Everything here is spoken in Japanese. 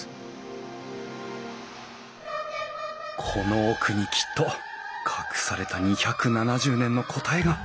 この奥にきっと隠された２７０年の答えが。